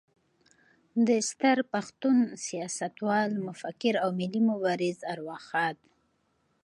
د ستر پښتون، سیاستوال، مفکر او ملي مبارز ارواښاد